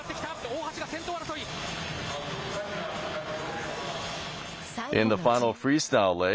大橋が先頭争い。